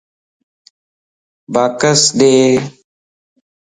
باڪس ڏي